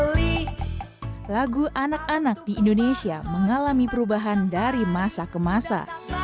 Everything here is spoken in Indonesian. beli lagu anak anak di indonesia mengalami perubahan dari masa ke masa